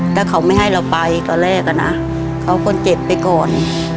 ถ้าเขาไม่ให้เราไปตอนแรกอะนะเขาก็เจ็บไปก่อน